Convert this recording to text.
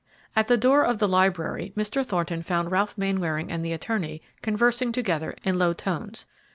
At the door of the library, Mr. Thornton found Ralph Mainwaring and the attorney conversing together in low tones.